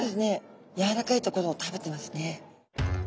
やわらかいところを食べてますね。